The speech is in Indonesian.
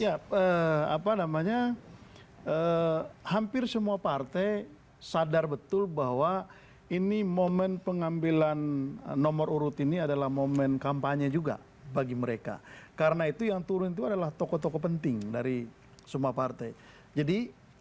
ya apa namanya hampir semua partai sadar betul bahwa ini momen pengambilan nomor urut ini adalah momen kampanye juga bagi mereka karena itu yang turun itu adalah tokoh tokoh penting dari semua partai jadi